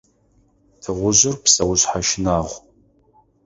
Тыгъужъыр псэушъхьэ щынагъу.